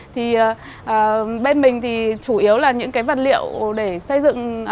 thì bên mình thì chủ yếu là những cái vật liệu để xây dựng